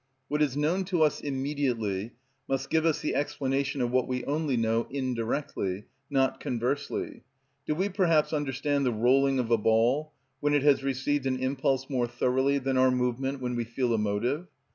What is known to us immediately must give us the explanation of what we only know indirectly, not conversely. Do we perhaps understand the rolling of a ball when it has received an impulse more thoroughly than our movement when we feel a motive?